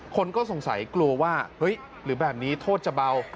คนก็สงสัยกลัวว่าเฮ้ยหรือแบบนี้โทษจะเบา